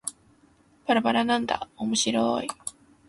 ばらばらなんだーおもしろーい